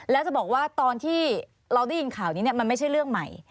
แล้วจะบอกว่าตอนที่เราได้ยินข่าวนี้มันไม่ใช่เรื่องใหม่